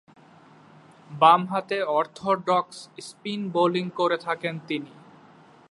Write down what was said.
বামহাতে orthodox spin bowling করে থাকেন তিনি।